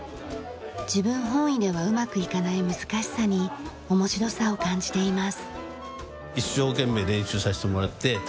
自分本位ではうまくいかない難しさに面白さを感じています。